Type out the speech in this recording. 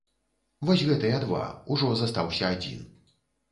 Вось гэтыя два, ужо застаўся адзін.